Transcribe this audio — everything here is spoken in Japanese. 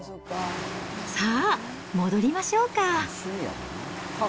さあ、戻りましょうか。